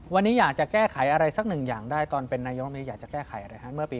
วันนี้อยากจะแก้ไขอะไรสักหนึ่งอย่างได้ตอนเป็นนายกนี้อยากจะแก้ไขอะไรครับ